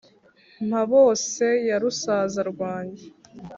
mpabose ya rusaza rwange